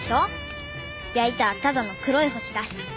焼いたらただの黒い星だし。